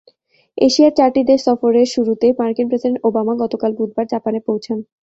এশিয়ার চারটি দেশ সফরের শুরুতেই মার্কিন প্রেসিডেন্ট ওবামা গতকাল বুধবার জাপানে পৌঁছান।